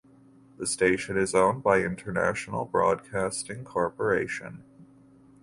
The station is owned by International Broadcasting Corporation.